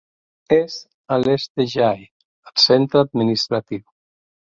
És a l'est de Jay, el centre administratiu.